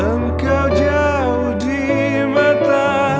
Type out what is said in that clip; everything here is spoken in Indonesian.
engkau jauh di mata